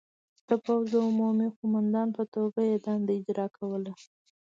د پوځ د عمومي قوماندان په توګه یې دنده اجرا کوله.